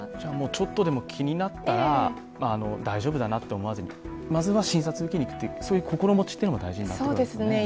ちょっとでも気になったら、大丈夫だなと思わずにまずは診察を受けに行く心持ちというのも大事になってくるということですか？